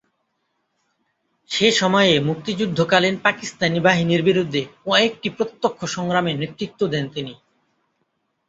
সে সময়ে মুক্তিযুদ্ধকালীন পাকিস্তানি বাহিনীর বিরুদ্ধে কয়েকটি প্রত্যক্ষ সংগ্রামে নেতৃত্ব দেন তিনি।